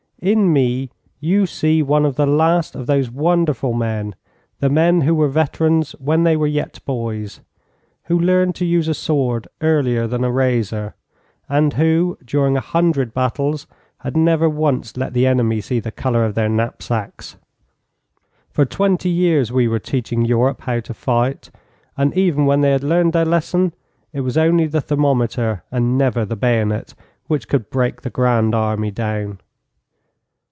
In me you see one of the last of those wonderful men, the men who were veterans when they were yet boys, who learned to use a sword earlier than a razor, and who during a hundred battles had never once let the enemy see the colour of their knapsacks. For twenty years we were teaching Europe how to fight, and even when they had learned their lesson it was only the thermometer, and never the bayonet, which could break the Grand Army down.